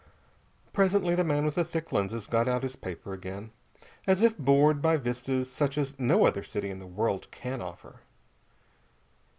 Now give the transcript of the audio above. Presently the man with the thick lenses got out his paper again, as if bored by vistas such as no other city in the world can offer.